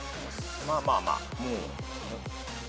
まあまあまあもう。